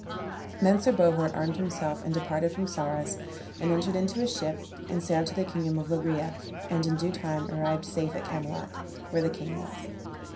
Then Sir Bohort armed himself and departed from Sarras, and entered into a ship, and sailed to the kingdom of Loegria, and in due time arrived safe at Camelot, where the king was.